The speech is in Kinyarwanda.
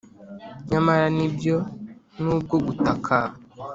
nyamara nibyo, nubwo gutaka